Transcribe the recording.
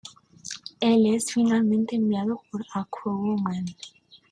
Él es finalmente enviado por Aqua-Woman.